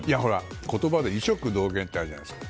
言葉で医食同源ってあるじゃないですか。